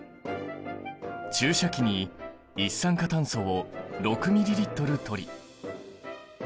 注射器に一酸化炭素を６ｍＬ取り。